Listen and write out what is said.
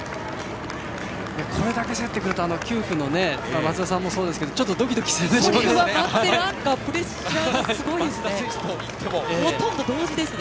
これだけ競ってくると９区の松田さんもそうですがドキドキしますね。